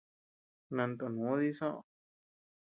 Nantonu dii soʼö.